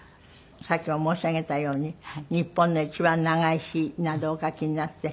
さっきも申し上げたように『日本のいちばん長い日』などをお書きになって。